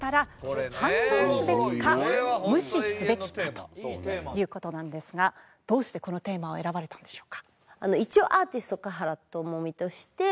という事なんですがどうしてこのテーマを選ばれたんでしょうか？